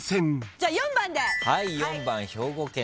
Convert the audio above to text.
じゃあ４番で。